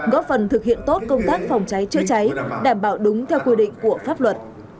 góp phần thực hiện tốt công tác phòng cháy chữa cháy đảm bảo đúng theo quy định của pháp luật